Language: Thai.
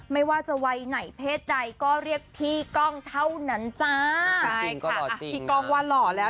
ไม่ว่าจะวัยไหนเพศใดก็เรียกพี่ก้องเท่านั้นจ้าใช่ค่ะอ่ะพี่ก้องว่าหล่อแล้ว